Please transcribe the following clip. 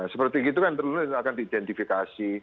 seperti itu kan terlalu lama akan diidentifikasi